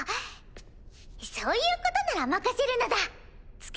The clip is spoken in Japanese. そういうことなら任せるのだ！